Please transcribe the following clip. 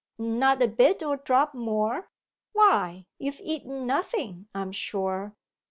Not a bit or drop more? Why, you've eaten nothing, I'm sure....